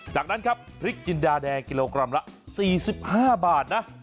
จากนั้นครับพริกจินดาแดงกิโลกรัมละ๔๕บาทนะ